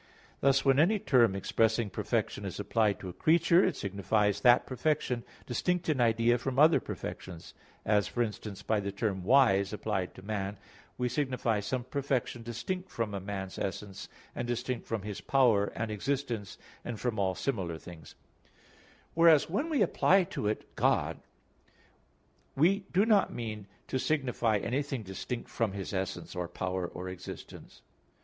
Thus when any term expressing perfection is applied to a creature, it signifies that perfection distinct in idea from other perfections; as, for instance, by the term "wise" applied to man, we signify some perfection distinct from a man's essence, and distinct from his power and existence, and from all similar things; whereas when we apply to it God, we do not mean to signify anything distinct from His essence, or power, or existence.